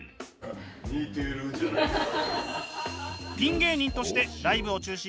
似てるじゃないか。